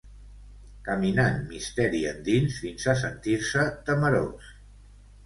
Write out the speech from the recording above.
Caminant misteri endins, fins a sentir-se temerós